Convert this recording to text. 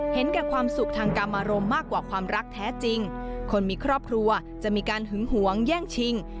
เห็นแก่ความสุขทางกรรมอารมณ์มากกว่าความรักแท้จริงคนมีครอบครัวจะมีการหึงหวงแย่งชิง